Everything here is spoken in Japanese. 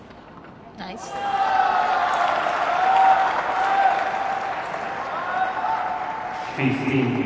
ナイス。